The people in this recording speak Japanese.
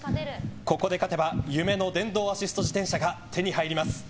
ここで勝てば夢の電動アシスト自転車が手に入ります。